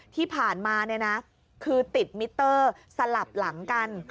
ที่ผ่านมาคือติดมิเตอร์สลับหลังกัน